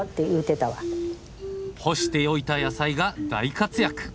干しておいた野菜が大活躍。